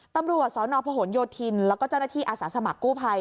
ตำรวจสนพหนโยธินแล้วก็เจ้าหน้าที่อาสาสมัครกู้ภัย